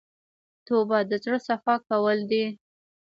توبه د زړه صفا کول دي.